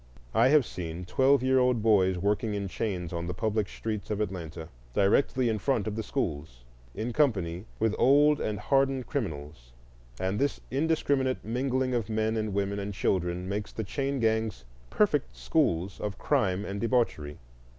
I have seen twelve year old boys working in chains on the public streets of Atlanta, directly in front of the schools, in company with old and hardened criminals; and this indiscriminate mingling of men and women and children makes the chain gangs perfect schools of crime and debauchery.